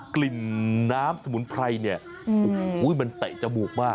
กลิ่นน้ำสมุนไพรเนี่ยโอ้โหมันเตะจมูกมาก